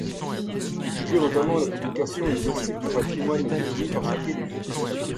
Y figurent, notamment, la publication exhaustive du patrimoine détenu par chaque élu.